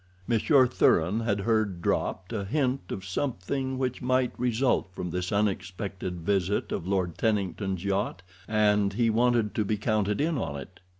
Monsieur Thuran had heard dropped a hint of something which might result from this unexpected visit of Lord Tennington's yacht, and he wanted to be counted in on it.